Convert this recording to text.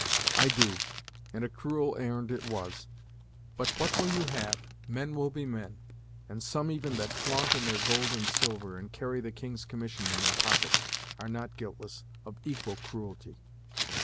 "I do; and a cruel errand it was! But what will you have? Men will be men, and some even that flaunt in their gold and silver, and carry the King's commission in their pockets, are not guiltless of equal cruelty."